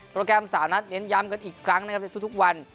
โปรแกรมสาวนัดเน้นย้ำกันอีกครั้งทุกวัน